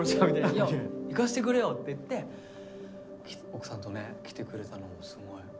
「いや行かせてくれよ」って言って奥さんとね来てくれたのもすごい。